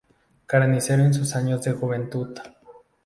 Carnicero en sus años de juventud.